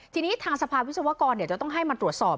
ทีนี้ทางสภาวิศวกรจะต้องให้มาตรวจสอบ